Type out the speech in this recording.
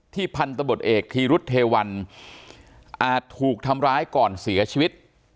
พันธบทเอกธีรุธเทวันอาจถูกทำร้ายก่อนเสียชีวิต